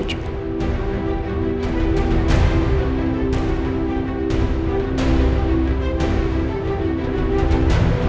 kalau mama gak akan mencari